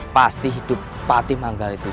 pasti hidup patimanggal itu